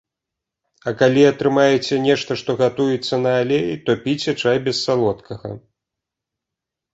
А калі атрымаеце нешта, што гатуецца на алеі, то піце чай без салодкага.